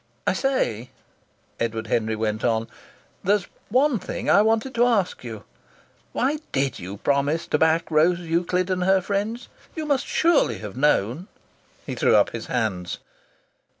"I say," Edward Henry went on. "There's one thing I want to ask you. Why did you promise to back Rose Euclid and her friends? You must surely have known " He threw up his hands.